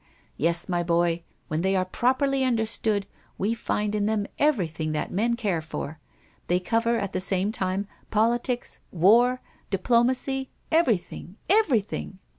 Yes, my boy, when they are properly understood, we find in them everything that men care for they cover, at the same time, politics, war, diplomacy, everything, everything!